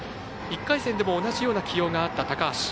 １回戦でも同じような起用があった高橋。